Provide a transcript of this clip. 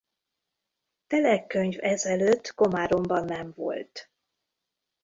Telekkönyv ezelőtt Komáromban nem volt.